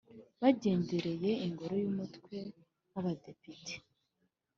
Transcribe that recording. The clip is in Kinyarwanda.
bagendereye Ingoro y Umutwe w Abadepite